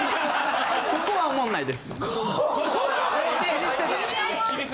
ここはおもんないです。